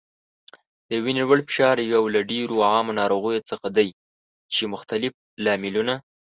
د وینې لوړ فشار یو له ډیرو عامو ناروغیو څخه دی چې مختلف لاملونه